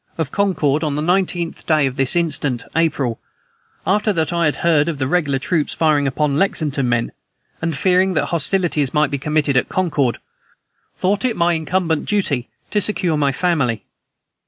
of Concord, on the 19th day of this instant, April, after that I had heard of the regular troops firing upon Lexington men, and fearing that hostilities might be committed at Concord, thought it my incumbent duty to secure my family.